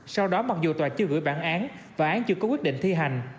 sau đó mặc dù tòa chưa gửi bản án và án chưa có quyết định thi hành